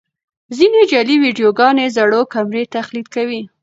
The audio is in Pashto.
ځینې جعلي ویډیوګانې زړو کمرې تقلید کوي.